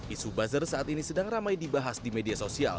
isu buzzer saat ini sedang ramai dibahas di media sosial